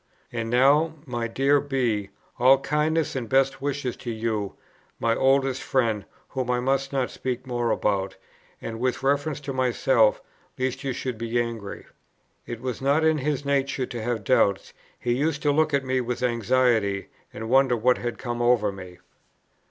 And now, my dear B., all kindest and best wishes to you, my oldest friend, whom I must not speak more about, and with reference to myself, lest you should be angry." It was not in his nature to have doubts: he used to look at me with anxiety, and wonder what had come over me.